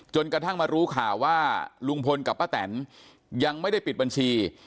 กระทั่งมารู้ข่าวว่าลุงพลกับป้าแตนยังไม่ได้ปิดบัญชี